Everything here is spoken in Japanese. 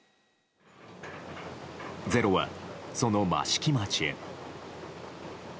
「ｚｅｒｏ」は、その益城町へ。